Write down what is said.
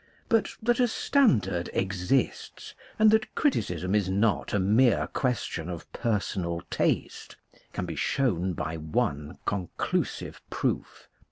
But that a standard exists, and that criticism is not a mere question of personal taste, can be shown by one conclusive proof.